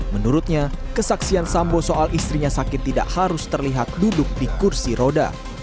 menurutnya kesaksian sambo soal istrinya sakit tidak harus terlihat duduk di kursi roda